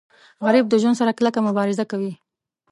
غریب د ژوند سره کلکه مبارزه کوي